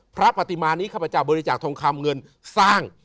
พระปฏิมานิข้าพเจ้าบริจาคทองคำเงินสร้าง